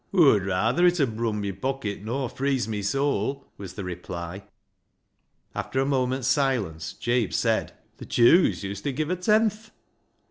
" Aw'd rayther it ud brun my pocket nor freeze my soul," was the reply. After a moment's silence, Jabe said —" Th' Jews uset give a tenth."